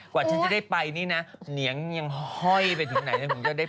กว่าจะได้ไปนี่นะเหนียงห้อยไปถึงไหนถึงจะได้ไป